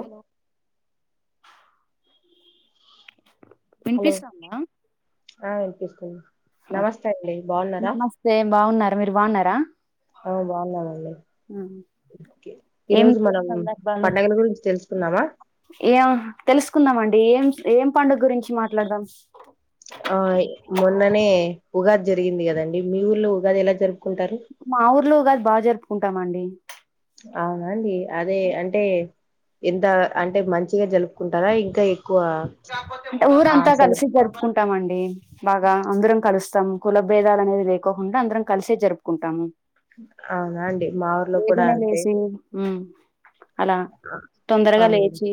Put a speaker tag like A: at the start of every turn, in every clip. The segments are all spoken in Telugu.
A: హలో
B: హలో
A: వినిపిస్తుందా
B: ఆ ఇస్తున్
A: నమస్తే బావున్నా [unintelligible] మీరు బావున్నారా
B: ఆ బావున్నామండి
A: ఏం
B: ఈరోజు మనం
A: సందర్భాలు
B: పండగల గురించి తెలుసుకుందామా
A: ఏం తెలుసుకుందాం ఏం ఏం పండగ గురించి మాట్లాడదాం
B: ఆ మొన్ననే ఉగాది జరిగింది కదండి మీ ఊర్లో ఉగాది ఎలా జరు
A: మాఊర్లో ఉగాది బా జరు ఉంటామండి
B: అవునా అండి అదే అంటే ఎంత అంటే మంచిగా జలుపుకుంటారా ఇంకా ఎక్కువ
A: అంట
B: ఆ
A: ఊరంతా
B: సెల
A: కలిసి జరుపుకుంటామండి బాగా అందరం కలుస్ తం కులభేదాలు అనేది లేకోకుండా అందరం కలిసే జరుపుకుంటాము
B: అవునా అండి మా ఊర్లో కూడా
A: బేగనే
B: అంతే
A: లేసి ఉమ్ అలా తొందరగా
B: అవును
A: లేచి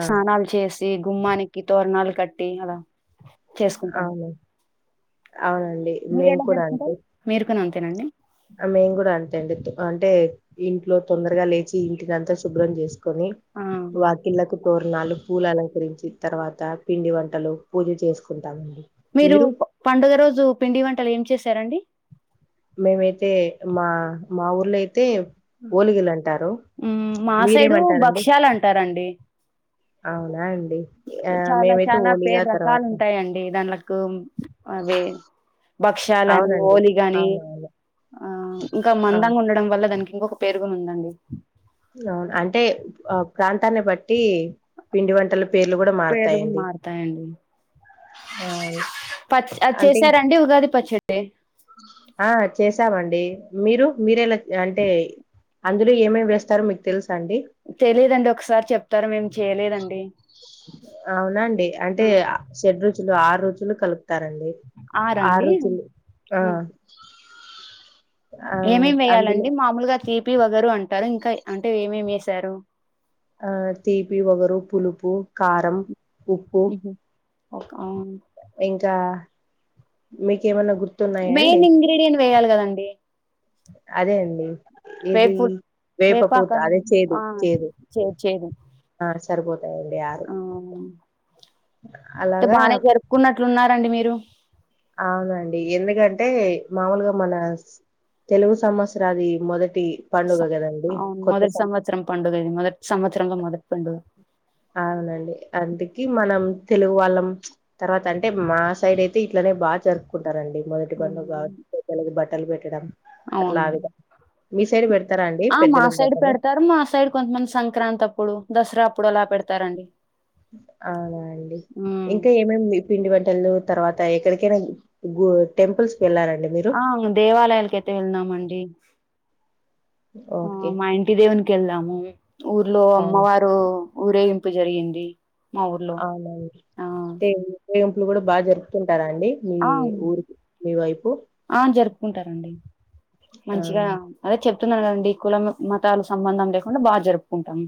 B: ఆ
A: స్నానాలు చేసి మ్మానికి తోరణాలు కట్టి అలా చేసుకుంటాము
B: అవును అవునండి మేము కూడా అంతే
A: టేనండి
B: మేము కూడా అంతే అండి అంటే ఇంట్లో తొందరగా లేచి ఇంటినంతా శుభ్రం చేస్ కొని
A: ఆ
B: వాకిళ్ళకు గోర్ణాలు పూలు అలంకరించి తర్వాత పిండి వంటలు పూజ చేసుకుంటాము
A: మీరు పండుగ రోజు పిండి వంటలు ఏం చేశారండి
B: మేమైతే మా మా ఊర్లై తే ఓలిగులు అంటారు
A: హ్మ్. మా సైడు
B: మీరేమంటారండి
A: భక్ష్యాలంటారండి.
B: అవునా ఆ
A: చాలా
B: మేమైతే
A: చాలా
B: ఓలిగా
A: పేరు రకాలు
B: తర్వాత
A: ఉంటాయండి దాన్ల కుం అదే భక్షాలని
B: అవునండి
A: ఓలిగ ని
B: అవునవును
A: ఆ ఇంకా
B: అవును
A: మందంగా ఉండడం వల్ల దానికి ఇంకొక పేరు గూడా ఉందండి.
B: అవును అంటే ఆ ప్రాంతాన్ని బట్టి పిండి వంటలు
A: పేర్లు గూని మారతాయండి
B: అవును
A: పచ్చ్ అది
B: అంటే
A: చేశారా అండి ఉగాది పచ్చ టే
B: ఆ చేసావండీ మీరు మీరేలా అంటే అందులో ఏమేమి వేస్తారో మీకు తెలుస్
A: తెలీదండి ఒకసారి చెప్తార మేమ్ చేయలేదండి
B: అవునాండి అంటే
A: ఆ!
B: షెడ్ రుచుల్ ఆర్ రుచులు కలుప్ తారండి
A: ఆరా
B: ఆ
A: అండి?
B: రుచులు ఆ ఆ
A: ఏమేమ్
B: అందులో
A: వేయాలండి మామూలుగ తీపి వగరు అంటారు ఇంకా అంటే ఏమేమి వేసారు
B: ఆ తీపి వగరు పులుపు కారం ఉప్పు
A: హుహు. ఒక అవును.
B: కా మీకేమన గుర్
A: మేన్ ఇంగ్రీడియన్ వేయాల్ గదండి
B: అదే అండి ఇది
A: వేపు
B: వేప
A: వేపాక
B: పూత అదే చేదు
A: ఆ
B: చేదు
A: చె చేదు
B: ఆ సరిపోతాయండి ఆరు
A: ఆ టె
B: అలాగా
A: బానే జరుపుకున్నట్లున్నారండి మీరు
B: ఆవునండి ఎందుకంటే మాములుగా మన తెలుగు సంవత్సరాంది మొదట్
A: స అవ్ మొదటి సంవత్సరం పండుగ ఇది మొదటి సంవత్ రంగ మొదటి పండుగ
B: అవునండి. అందుకి మనం తెలుగు వాళ్ళం తర్వాత అంటే మా సైడ్ ఐతే ఇట్లనే బాగ్ జరుప్కుంటం రండి మొదటి పండుగ బట్ట [unintelligible] లి బెట్టిడం
A: ఔన్
B: పెడతారా అండి
A: ఆ మా
B: పెద్దలకు
A: సైడ్
B: బట్టలు?
A: పెడతారు మా సైడ్ కొంతమంది సంక్రాంతి అప్పుడు దసరా పుడ అలా పెడతారండి
B: అవునాండి
A: ఉమ్
B: ఇంకా ఏమేమ్ పిండి వంటలు తర్వాత ఎక్కడికైనా గూ టెంపుల్స్
A: ఆ దేవాలయాలకైతే వెల్నామండి ఆ
B: ఓకే.
A: మా ఇంటి దేవునికి వెళ్లాము ఊర్లో
B: అవును.
A: అమ్మవారు ఊరేగింపు జరిగింది మా ఊర్లో
B: అవునవును
A: ఆ
B: సేమ్ సేమ్ ఇప్పుడు కూడా బా జరుగుతున్
A: ఆ
B: వైపు
A: ఆ జరుపుకుంటారండి
B: ఆ
A: మంచిగా అదే చెప్ చెతున్నాండి కులం మతాలు సంబంధం లేకుండా బా జరుపుకుంటాం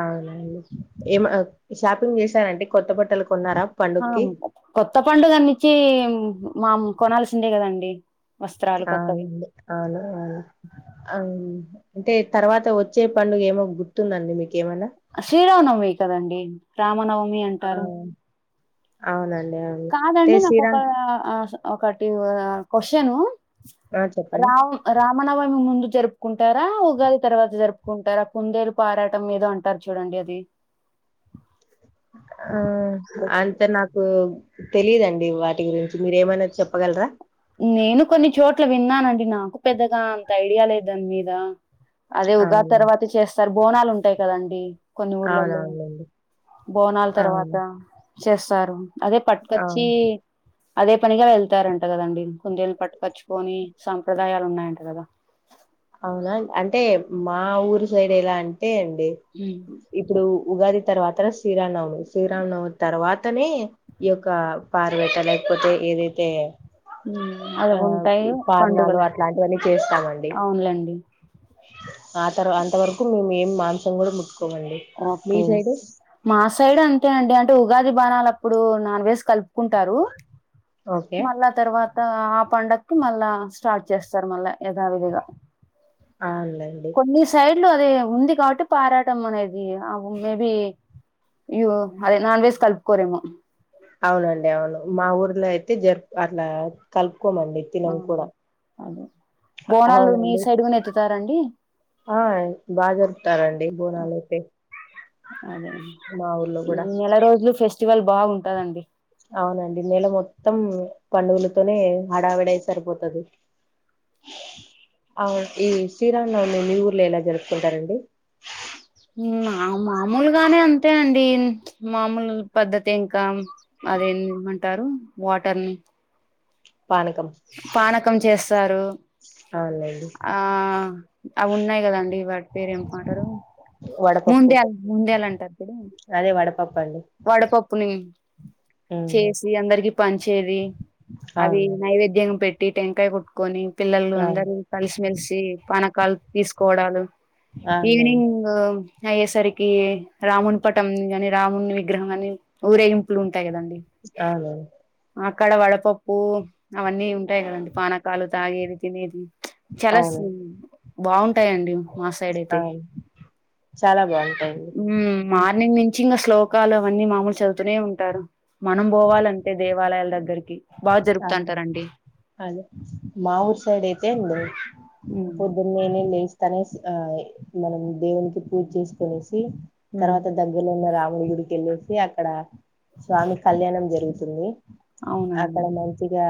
B: అవునండి ఏమ అ షాపింగ్ చేశారండీ కొత్త బట్టలు కొన్నారా
A: ఆ
B: పండుగకి
A: కొత్త పండుగ గురించి నుంచి మామ్ కొనాల్సిందే కదండి వస్త్రాలు కొత్తవి
B: అవునండి అవును అవును అంటే తర్వాత వచ్చే పండుగ ఏమో గుర్తుందండి మీకు
A: శ్రీరామ నమి కదండి రామనవం
B: ఆ
A: అంటారు
B: అవునండి అవును అంటే
A: కాదండి నాకు ఒక
B: శ్రీరామ్
A: ఒకటి క్వశ్చను
B: ఆ చెప్పండి
A: రామ్ రామనవమి ముందు జరుపుకుంటారా ఉగాది తర్వాత జరుపుకుంటారా కుందేలు పారాటం ఏదో అంటారు చూడండి అది
B: ఆ అంతే నాకు తెలీదండి వాటి గురించి మీరేమనా చెప్పగలరా
A: నేను కొన్ని చోట్ల విన్నానండి నాకు పెద్దగా అంత ఐడియా లే దాని మీద అదే ఉగా
B: అవునా
A: తర్వాత చేస్తా సారి బోనాలు ఉంటాయి కదండి కొన్ని ఊర్లలో
B: అవునవునండి
A: బోనాల తర్వాత
B: అవును
A: చేస్సారు అదే పట్కచ్చి
B: అవును
A: అదే పనిగా వెళ్తారంట కదండి కుందేలుని పట్టుకచ్చుకొని సాంప్రదాయాలు ఉన్నాయంట కదా
B: అవునా అంటే మా ఊరు సైడ్ ఎలా అం టే అండి ఇప్పుడు ఉగాది తర్వాత శ్రీరానవమి శ్రీరాంనవమి తర్వాతనే ఈ యొక్క పార్వేట లేకపోతే ఏదైతే
A: ఉమ్, అవి
B: ఆ
A: ఉంటాయి
B: ఇ పారణాలు
A: పండుగలు
B: అట్లాంటివన్నీ చేస్తామండి
A: అవునులేండి
B: ఆ తర్వా అంతవరకు మేము ఏం మాంసం కూడా ముట్టు
A: ఓకే మా సైడు అంతే అండి అం టు ఉగాది బాణాల అప్పుడు నాన్వేజ్ కలుపు కుంటారు
B: ఓకే
A: మళ్ళా తర్వా త ఆ పండక్కి మళ్ళా స్టార్ట్ చేస్తారు మళ్ళా యధావిధిగా
B: ఆవునులేండి
A: లు అది ఉంది కాబట్టి పారాటం అనేది ది అవు మే బి యు అదే నాన్వెజ్ కలుపుకోరేమో
B: అవునండ్ మా ఊర్లో అయితే జరుపు అట్లా కల్పో
A: అ అదే బోనాలు మీ
B: అవునండి
A: సైడ్ గన ఎత త అండీ
B: ఆ బాగా జరుపుతారండి బోనాలుయితే
A: అదే
B: మా ఊర్లో కూడా
A: చువల్ బాగుంటదండి
B: అవునండి నెల మొత్తం పండుగలతోనే హడావిడై సరిపోతుది అవును ఈ శ్రీరానమి నీ ఊర్లో ఎలా జరుపుకుంటారండి
A: మ మా మూలుగానే అంతే అండి మామూలు పద్ధతి ఇంకా అదేమంటారు వాటర్ని
B: పానకం
A: పానకం చేస్త సారు
B: అవునులేండి
A: ఆ అవ ఉన్నాయి కదండి వాటి పేరు ఏంటారు
B: వడపప్పు
A: ముందేలు ముందేాల అంటారు ఇప్పుడు
B: అదే వడపప్పు అండి
A: వడపప్పుని
B: ఉమ్
A: చేసి అందరికి పనిచేది అవి
B: అవును
A: నైవేద్యం పెట్టి టి టెంకాయ కుట్టుకొని పిల్లలు అందర
B: అవును
A: కలిసిమెెలిసి పన కలి తీసుకోవడాలు
B: అవునులేండి
A: ఈవినింగ్ అయ్యేసరికి రాముడి పటం కాని రాముని గ్ర హమాని ఊరే ఇంపలుంట ఆంటే గదండి
B: అవునండి
A: ఆ అక్కడ వడపప్పు అవన్నీ ఉంటాయి కదండి పానకాలు తాగేవి తినేది చాలా సు
B: అవును
A: బాగుంటాయండి మా సైడ్ అయితే
B: అవును చాలా బాగుంటాయండి
A: హ్మ్ మార్నింగ్ నుంచి ఇంకా స్లో కాలు అవన్నీ మామూలు చదువుతూనే ఉంటారు మనం పోవాలంటే దేవ వాలయాల దగ్గరికి బాగా
B: ఆ
A: జరుపుతంటారండి
B: అదే మాఊర్ సైడ్ అయితే అ పొద్దున్నేన లే తనేసి ఏ మనం దేవునికి పూజ చేసుకొనేసి సి తర్వాత దగ్గలో ఉన్న రాము మంగళగుడికి వెళ్ళేసి అక్కడ స్వామి కళ్యాణం జరుగుతుంది
A: అవునండి
B: అక్కడ మంచిగా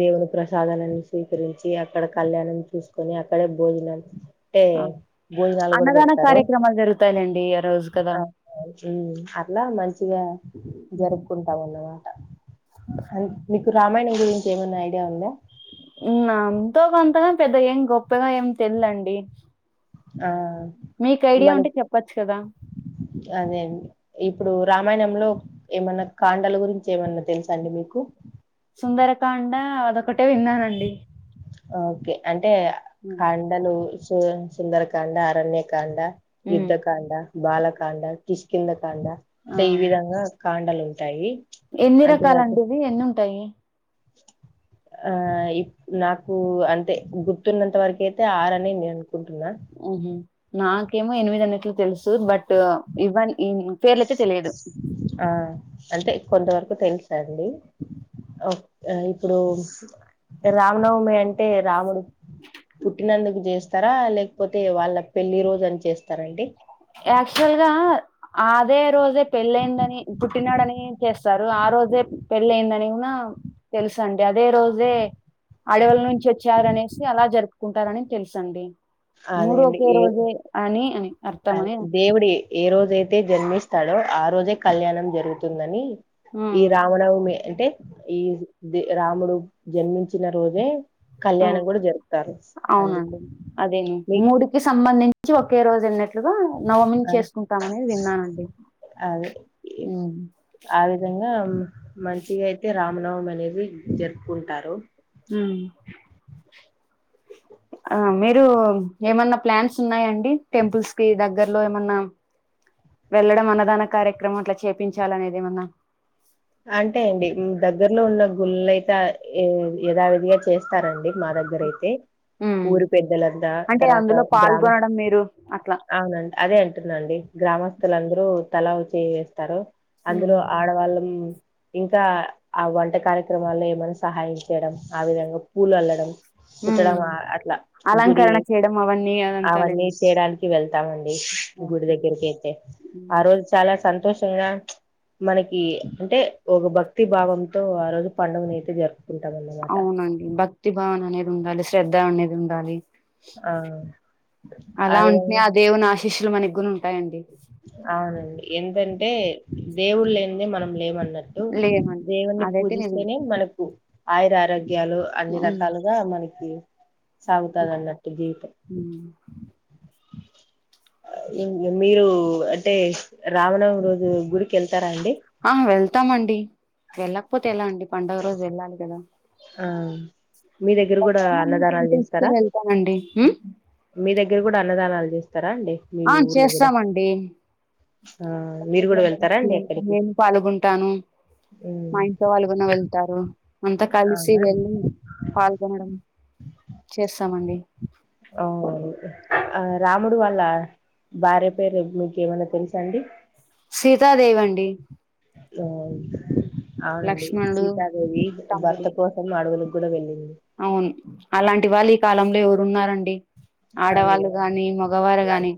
B: దేవుని ప్రసాదలన్ని స్వీకరించి అక్కడ కళ్యాణం చూసుకొని అక్కడే భోజనాలు అంటే
A: ఆ
B: భోజనాలు కూడా
A: అన్నదాన
B: పెడతారు
A: కార్యక్రమాలు జరుగుతాయిలేండి ఆ రోజు కదా
B: అట్లా మంచిగా జరుపుకుంటాంన్నవా అ మీకు రామాయణం గురించి ఏమైన్నా ఐడియా ఉందా
A: ఎంతో కొంతగా పెద్ద ఏం గొప్పగా ఏం తెల్లండి
B: ఆ మనకి
A: చెప్పచ్చు కదా
B: అదే అది ఇప్పుడు రామాయణంలో ఏమన్నా కాండల గురించి ఏమన్నా తెలుసా అండి మీకు
A: సుందరకాండ అదొకటే విన్నానండి
B: ఓకే అం టే
A: ఉమ్
B: కాండలు సు సుందరకాండ అరణ్యకాండ యుద్ధ
A: ఉమ్,
B: కాండ బాలకాండ కిష్కింద కాండ
A: ఆ
B: ఈ విదంగా కాండలు ఉంటాయి
A: ఎన్ని
B: అంతేకాక
A: రకాలండి ఇవి ఎన్ని ఉంటాయి
B: ఆ నాకు అంటే గుర్తున్నంత వరక అయితే ఆరు అనే నేను ఉంటుందా
A: ఉహు నాకేమో ఎనిమిది అన్నట్లు తెలుసు బట్ ఇవన్ ఈ పేర్లైతే తెలియదు
B: ఆ అంటే కొంతవరకు తెలుసండి ఇప్పుడు రామనవమి అంటే రాముడు పుట్టినందుకు చేస్తారా లేకపోతే వాళ్ళ పెళ్లి రోజు అని చేస్తారండి
A: యాక్చువల్ గా అదే రోజే పెళ్ళయిందని పుట్టినాడని చేస్తారు ఆ రోజే పెళ్యిందని కూడా తెలుసండి అదే రోజే అడవుల నుంచి వచ్చారనేసి అలా జరుపుకుంటారని తెలుసండి మూడు ఒకే రోజే అని అని అర్థం
B: అ
A: అని
B: దేవుడి ఏ రోజయితే జన్మిస్తాడో ఆ రోజే కళ్యాణం జరుగుతుందని
A: ఆ
B: ఈ రామనవమి అంటే ఈ రాముడు జన్మించిన రోజే
A: ఆ
B: కళ్యాణం కూడా జరుపుతారు అందుకు
A: అవునండి అదేలెండి
B: మీ
A: మూడికి సంబంధించి ఒకే రోజు అన్న ట్టు గా నవమిని
B: ఆ-
A: చేసుకుంటాం అనేది విన్నానండి.
B: అదే
A: మ్
B: ఆ నవమి అనేది జరుపుకుంటారు
A: మ్ ఆ మీరు ఏమన్నా ప్లాన్స్ ఉన్నాయంండి టెంపుల్స్ కి దగ్గర్లో ఏమన్నా వెళ్ళడం అన్నదాన కార్యక్రమం అట్లా చేపించాల అనేది ఏమన్నా
B: అంటే అండి దగ్గరలో ఉన్న గుళ్లుయితే ఏ యధావిధిగా చేస్తారంండి మా దగ్గర అయితే
A: ఉమ్
B: ఊరు పెద్దలంతా
A: అంటే
B: తర్వాత
A: అందులో
B: గ్రామ
A: పాల్గొనడం మీరు అట్లా
B: అవునండి అదే అంటున్నాండి గ్రామస్ భక్తులందరూ తలా ఓచేయి వేస్తారు. అందులో
A: ఉమ్
B: ఆడవాళ్ళం ఇంకా ఆ వంట కార్యక్రమాల్లో ఏమైన్నా సహాయం చేయడం ఆ విధంగా పూలు అల్లడం
A: ఉ
B: కుట్టడం ఆ అట్లా గుడి
A: అలంకరణ చేయడం అవన్నీ
B: అవన్నీ
A: అదంతాలేండి.
B: చేయడానికి వెళ్తామండి. గుడి దగ్గరకి అయితే ఆ రోజు చాలా సంతోషం [unintelligible] మ్చ మనకి అంటే ఒక భక్తి భావంతో ఆ రోజు పండుగ నైతే జరుపు
A: అవునండి భక్తి భావన అనేది ఉండాలి శ్రద్ధ అనేది ఉండాలి.
B: ఆ ఆవిడనే
A: డిషు మనే గుం
B: అవునండి. ఎంటంటే దేవుళ్ళ లేనిదే మనం లేమన్నటి అటు
A: లేవండి
B: దేవున్నీ
A: అదైతే నిజం
B: పూజిస్తేనే మనకు అయిద్ అరగ్ ఆరోగ్యాలు అన్ని
A: హ్మ్
B: రకాలుగా మనకి ఇమ్ సాగుతదిఅన్నట్టు జీవితం
A: హ్మ్
B: ఇంగ్ మీరు అంటే రావనం రోజు గుడికి ఎల్ ఎల్తారా అండి
A: వెల్తామండి వెళ్ళకపోతే ఎలా అండి పండగా రోజు వెళ్ళాలి కదా
B: ఆ మీ దగ్గర కూడా అన్నదానాలు చేస్తారా మీ దగ్గర కూడా అన్నదానాలు చేస్
A: ఆ చేస్తామండి.
B: ఆ మీరు కూడా వెళ్తారా అండి
A: ఆ
B: అక్కడికి
A: నేను పాల్గొంటాను
B: హ్మ్.
A: మా ఇంట్లో వాళ్ళు కూడా వెళ్ వారు అంతా కలిసి
B: అవునా అండి?
A: వెళ్ళి పాల్గొనడం చేస్తామండి.
B: ఓహ్! ఆ రాముడు వాళ్ళ భార్య పేరు మీకు ఏమైన్నా తెలుసా అండి
A: సీతదేవండి
B: అవునండి
A: లక్ష్మణడు
B: సీతాదేవి భర్త కోసం అడవులు కూడా వెళ్ళిండు
A: అవును అలాంటి వాల్లు ఈ కాలం ఎవరు ఉన్నారండి
B: అదే
A: ఆడవాళ్ళు
B: కదా
A: గాని మగవారు గాని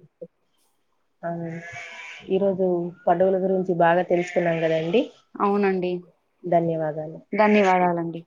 B: ఆ ఈరోజు పండుగల గురించి బాగా తెలుసుకున్నాం కదండి
A: అవునండి
B: ధన్యవాదాలు
A: ధన్యవాదాలండి